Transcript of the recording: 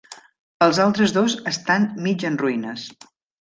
Els altres dos estan mig en ruïnes.